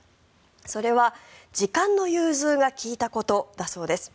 それは時間の融通が利いたことだそうです。